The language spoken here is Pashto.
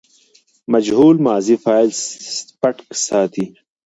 مجهول ماضي فاعل پټ ساتي.